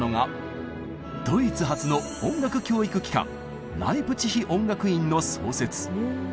ドイツ初の音楽教育機関「ライプチヒ音楽院」の創設。